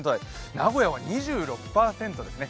名古屋は２６％ですね。